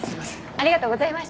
ありがとうございます。